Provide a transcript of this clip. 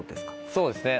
そうですね